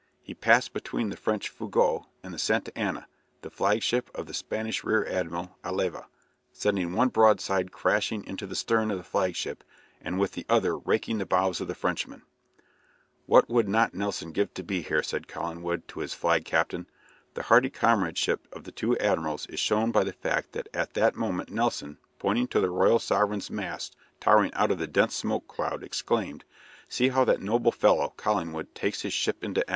He passed between the French "Fougueux" and the "Santa Ana," the flagship of the Spanish Rear Admiral Alava, sending one broadside crashing into the stern of the flagship, and with the other raking the bows of the Frenchman. "What would not Nelson give to be here!" said Collingwood to his flag captain. The hearty comradeship of the two admirals is shown by the fact that at that moment Nelson, pointing to the "Royal Sovereign's" masts towering out of the dense smoke cloud, exclaimed, "See how that noble fellow, Collingwood, takes his ship into action!"